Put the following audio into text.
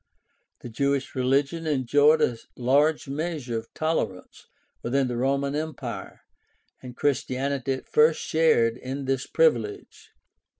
The Jewish religion enjoyed a large measure of tolerance within the Roman Empire, and Christianity at first shared in this privilege.